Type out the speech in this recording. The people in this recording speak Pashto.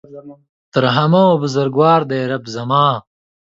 تر همه ؤ بزرګوار دی رب زما